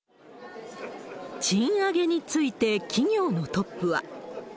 賃上げについて企業のトップは。